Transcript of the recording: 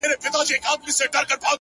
• د ازلي قهرمانانو وطن,